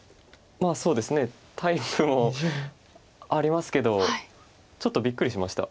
そうですねタイプもありますけどちょっとびっくりしました。